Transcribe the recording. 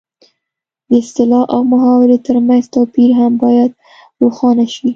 د اصطلاح او محاورې ترمنځ توپیر هم باید روښانه شي